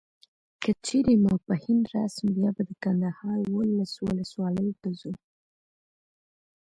که چیري ماپښین راسم بیا به د کندهار و اولس ولسوالیو ته ځو.